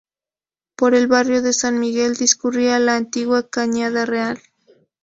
Por el Barrio de San Miguel discurría la antigua Cañada Real.